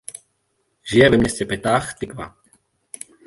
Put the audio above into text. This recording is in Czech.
Žije ve městě Petach Tikva.